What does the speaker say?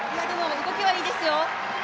動きはいいですよ。